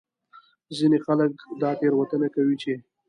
ځینې خلک دا تېروتنه کوي چې